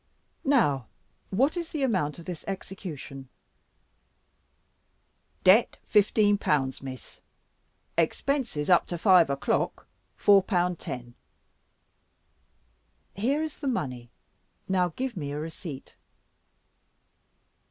Now what is the amount of this execution?" "Debt fifteen pounds, Miss; expenses up to five o'clock, four pound ten." "Here is the money. Now give me a receipt."